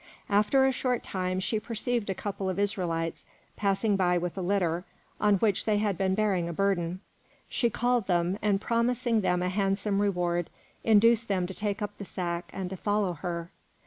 After a short time, she perceived a couple of Israelites, passing by with a litter on which they had been bearing a burden. She called them, and promising them a handsome reward, induced them to take up the sack and to follow her.